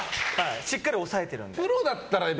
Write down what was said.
しっかり押さえてるので。